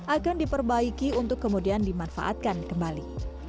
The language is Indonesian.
akan diperbaiki untuk kemudian dimanfaatkan kembali